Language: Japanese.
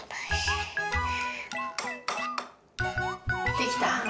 できた？